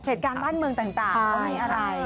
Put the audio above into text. เหตุการณ์บ้านเมืองต่าง